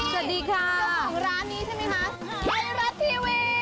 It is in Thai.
สวัสดีค่ะกุญพี่อยู่จำแกรมร้านนี้ใช่ไหมคะใต้รัดทีวี